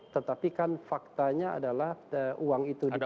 tetapi kan faktanya adalah uang itu dipakai